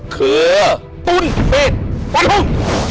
คือตุ้นปิดฝันหุ้ม